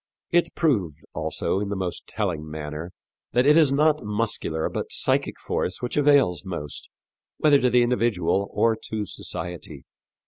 It proved, also, in the most telling manner that it is not muscular but psychic force which avails most, whether to the individual or to society.